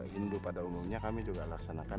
hindu pada umumnya kami juga laksanakan